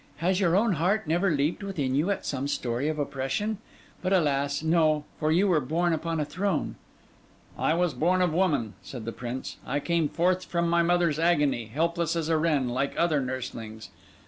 Has your own heart never leaped within you at some story of oppression? But, alas, no! for you were born upon a throne.' 'I was born of woman,' said the Prince; 'I came forth from my mother's agony, helpless as a wren, like other nurselings.